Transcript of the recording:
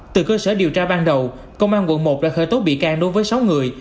từ cơ sở điều tra ban đầu công an quận một đã khởi tố bị can đối với sáu người